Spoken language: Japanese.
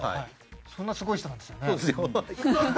そんなすごい人なんですよね。